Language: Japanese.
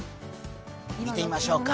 見てみましょうか。